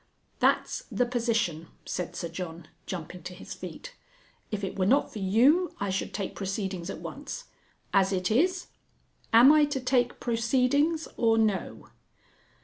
"That's the position," said Sir John, jumping to his feet, "if it were not for you, I should take proceedings at once. As it is am I to take proceedings or no?"